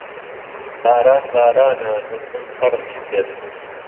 باران بارانه نم نم تهڕمی کرد